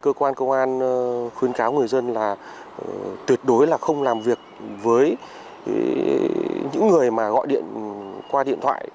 cơ quan công an khuyến cáo người dân là tuyệt đối là không làm việc với những người mà gọi điện qua điện thoại